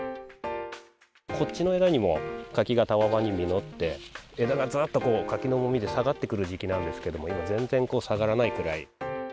こっちの枝にも、柿がたわわに実って、枝がずっとこう、柿の重みで下がってくる時期なんですけれども、今、全然こう下がらないくらい。